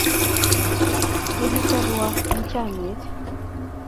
Ne kisoruo eng' chamnyet